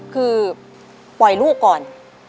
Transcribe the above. คือปล่อยลูกก่อน